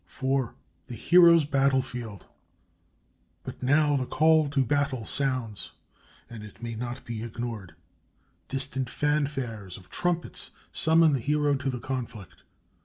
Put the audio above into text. IV. THE HERO'S BATTLE FIELD But now the call to battle sounds, and it may not be ignored. Distant fanfares of trumpets summon the Hero to the conflict.